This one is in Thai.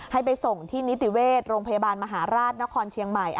ให้ไปส่งที่นิติเวชโรงพยาบาลมหาราชนครเชียงใหม่